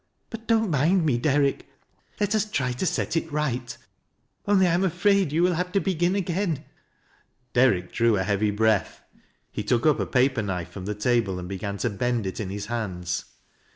" Bu! don't mind me, Derrick. Let us try to set it right ; only 1 am afraid you will have to begin again." Derrick drew a heavy bi'eath. He took up a paper knife from the table, and began to bend it in his hands.